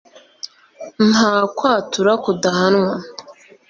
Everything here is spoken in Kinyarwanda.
Nta kwatura kudahanwa